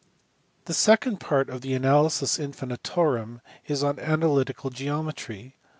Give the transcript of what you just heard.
" The second part of the Analysis Infinitorum is on ana lytical geometry.